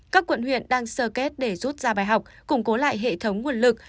các quận huyện đang sơ kết để rút ra bài học củng cố lại hệ thống nguồn lực